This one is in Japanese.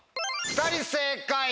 ２人正解！